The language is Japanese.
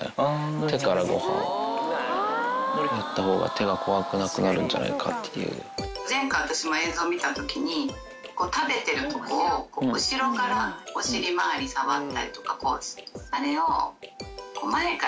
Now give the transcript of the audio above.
手からごはん、やったほうが手が怖くなくなるんじゃないかってい前回、私も映像見たときに、食べてるところを後ろからお尻周り触ったりとか、なるほど。